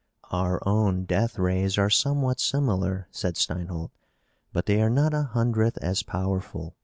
"Our own death rays are somewhat similar," said Steinholt, "but they are not a hundredth as powerful.